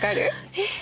えっ？